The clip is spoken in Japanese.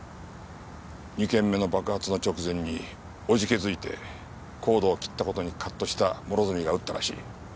２件目の爆発の直前に怖気づいてコードを切った事にカッとした諸角が撃ったらしい。